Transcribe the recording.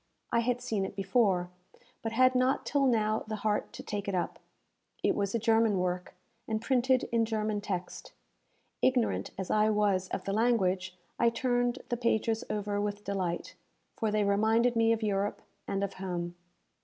I had seen it before, but had not till now the heart to take it up. It was a German work, and printed in German text. Ignorant as I was of the language, I turned the pages over with delight, for they reminded me of Europe and of home.